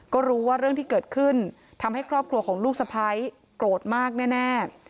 ก็รู้ว่าเรื่องที่เกิดขึ้นทำให้ครอบครัวของลูกสะพ้ายโกรธมากแน่